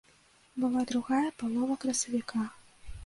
Была другая палова красавіка.